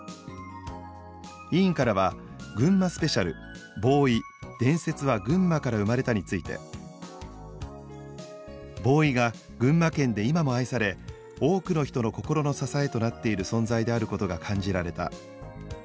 委員からはぐんまスペシャル「ＢＯＷＹ伝説は群馬から生まれた」について「ＢＯＷＹが群馬県で今も愛され多くの人の心の支えとなっている存在であることが感じられた」